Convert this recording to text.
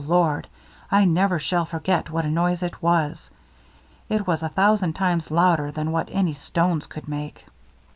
Lord! I never shall forget what a noise it was! it was a thousand times louder than what any stones could make.'